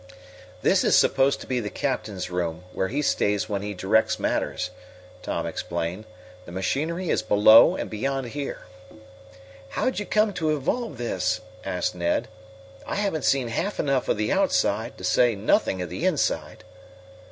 "This is supposed to be the captain's room, where he stays when he directs matters." Tom explained. "The machinery is below and beyond here." "How'd you come to evolve this?" asked Ned. "I haven't seen half enough of the outside, to say nothing of the inside."